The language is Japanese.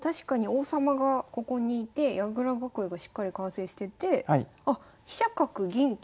王様がここにいて矢倉囲いがしっかり完成しててあっそうですね。